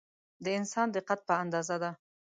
د انسان د قد په اندازه ده.